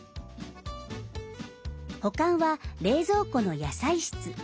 保管は冷蔵庫の野菜室。